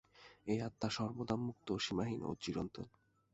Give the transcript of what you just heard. এই আত্মা সর্বদা মুক্ত, সীমাহীন ও চিরন্তন।